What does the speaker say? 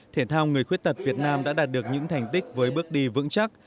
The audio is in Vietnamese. thể thao người khuyết tật việt nam đã đạt được những thành tích với bước đi vững chắc